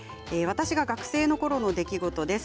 私が学生のころの出来事です。